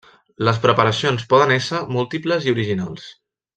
Les preparacions poden ésser múltiples i originals.